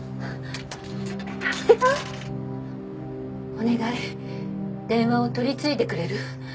お願い電話を取り次いでくれる？